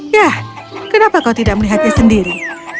yah kenapa kau tidak melihatnya sendiri